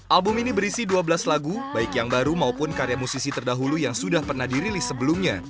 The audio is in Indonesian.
album ini berisi dua belas lagu baik yang baru maupun karya musisi terdahulu yang sudah pernah dirilis sebelumnya